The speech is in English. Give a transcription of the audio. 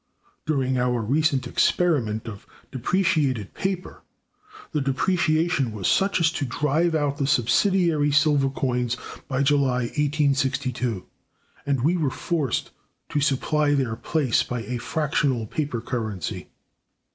During our recent experiment of depreciated paper, the depreciation was such as to drive out the subsidiary silver coins, by July, 1862, and we were forced to supply their place by a fractional paper currency.